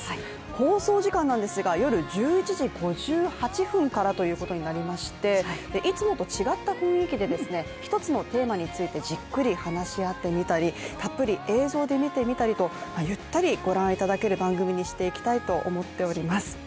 放送時間が夜１１時５８分からということになりまして、いつもと違った雰囲気で、一つのテーマについてじっくり話し合ってみたりたっぷり映像で見てみたりとゆったりご覧いただける番組にしたいと思っております。